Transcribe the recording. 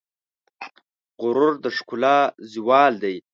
غرور د ښکلا زوال دی.